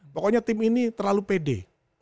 pokoknya tim ini terlalu pede